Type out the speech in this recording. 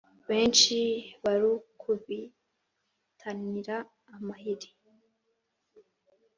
Benshi barukubitanira amahiri